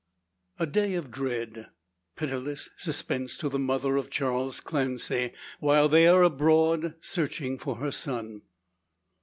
A day of dread, pitiless suspense to the mother of Charles Clancy, while they are abroad searching for her son.